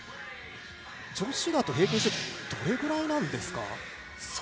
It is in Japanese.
女子だと平均してどれくらいなんですか？